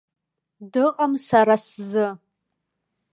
Дыҟам сара сзы.